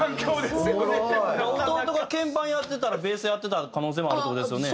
弟が鍵盤やってたらベースやってた可能性もあるっていう事ですよね。